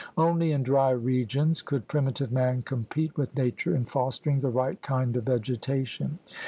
Only in dry regions could primitive man compete with nature in fostering the right kind of vege tation.